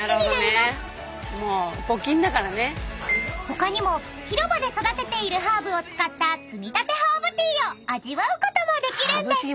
［他にも広場で育てているハーブを使った摘みたてハーブティーを味わうこともできるんです］